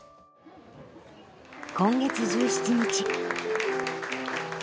今月１７日。